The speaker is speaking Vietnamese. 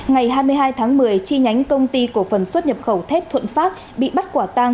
ngày hai mươi hai tháng một mươi chi nhánh công ty cổ phần xuất nhập khẩu thép thuận phát bị bắt quả tang